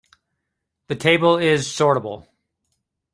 The table is sortable.